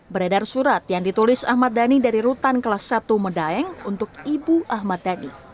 beredar surat yang ditulis ahmad dhani dari rutan kelas satu medaeng untuk ibu ahmad dhani